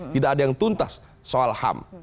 tidak ada yang tuntas soal ham